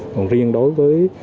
còn riêng đối với